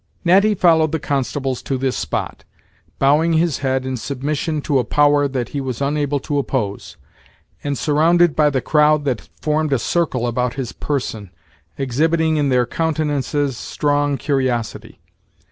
Natty followed the constables to this spot, bowing his head in submission to a power that he was unable to oppose, and surrounded by the crowd that formed a circle about his person, exhibiting in their countenances strong curiosity.